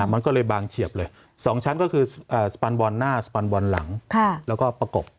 มันก็เลยบางเฉียบเลย๒ชั้นก็คือสปันบอลหน้าสปันบอลหลังแล้วก็ประกบ